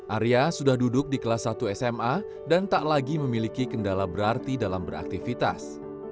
arya sudah duduk di kelas satu sma dan tak lagi memiliki kendala berarti dalam beraktivitas